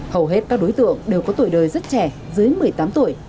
hầu hết các đối tượng đều có tuổi đời rất trẻ dưới một mươi tám tuổi